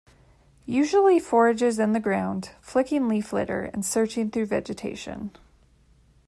Usually forages in the ground, flicking leaf litter and searching through vegetation.